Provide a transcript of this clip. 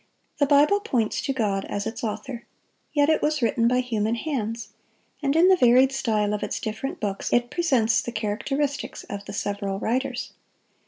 The Bible points to God as its author; yet it was written by human hands; and in the varied style of its different books it presents the characteristics of the several writers.